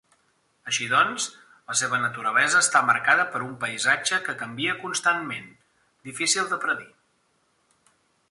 Així doncs, la seva naturalesa està marcada per un paisatge que canvia constantment, difícil de predir.